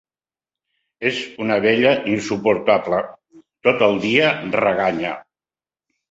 És una vella insuportable: tot el dia reganya.